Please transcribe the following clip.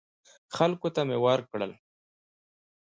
خلکو ته مې ورکړل.